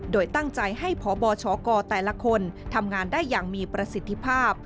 โดยตั้งใจให้พบชกแต่ละคนทำงานได้อย่างมีประสิทธิภาพ